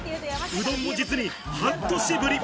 うどんも実に半年ぶり。